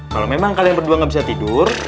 kalau memang kalian berdua gak bisa tidur